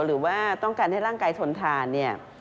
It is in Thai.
หรือว่าต้องการให้ร่างกายทนทานเนี่ย